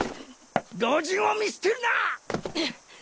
老人を見捨てるな！